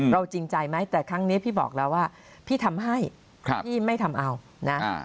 จริงใจไหมแต่ครั้งนี้พี่บอกแล้วว่าพี่ทำให้พี่ไม่ทำเอานะ